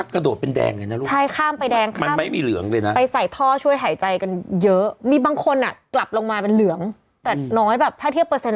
คนคนอ่ะกลับลงมาเป็นเหลืองแต่หนอยแบบถ้าเทียบเปอร์เซ็นต์